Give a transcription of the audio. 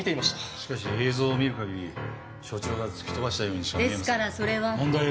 しかし映像を見る限り署長が突き飛ばしたようにしか見えません。